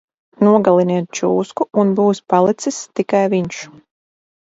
Nogaliniet čūsku un būs palicis tikai viņš!